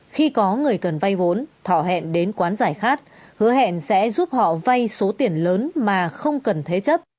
khi có người cần vay vốn thọ hẹn đến quán giải khát hứa hẹn sẽ giúp họ vay số tiền lớn mà không cần thế chấp